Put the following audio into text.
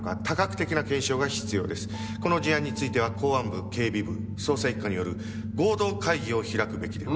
この事案については公安部警備部捜査一課による合同会議を開くべきでは？